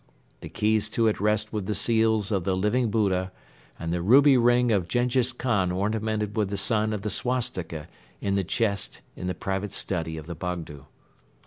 The keys to it rest with the seals of the Living Buddha and the ruby ring of Jenghiz Khan ornamented with the sign of the swastika in the chest in the private study of the Bogdo.